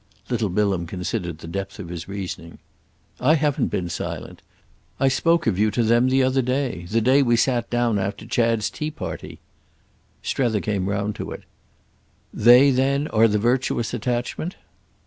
Little Bilham considered the depth of his reasoning. "I haven't been silent. I spoke of them to you the other day, the day we sat together after Chad's tea party." Strether came round to it. "They then are the virtuous attachment?"